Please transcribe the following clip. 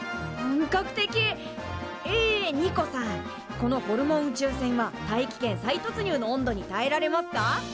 このホルモン宇宙船は大気圏再突入の温度にたえられますか？